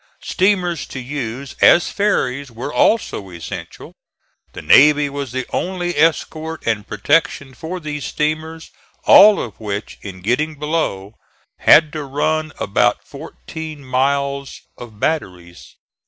Steamers to use as ferries were also essential. The navy was the only escort and protection for these steamers, all of which in getting below had to run about fourteen miles of batteries.